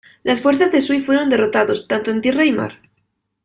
Las fuerzas de Sui fueron derrotados, tanto en tierra y mar.